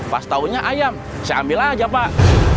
pas taunya ayam saya ambil aja pak